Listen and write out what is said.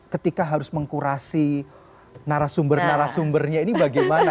ketika harus mengkurasi narasumber narasumbernya ini bagaimana